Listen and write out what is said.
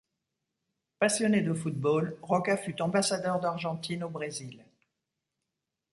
Passionné de football, Roca fut ambassadeur d'Argentine au Brésil.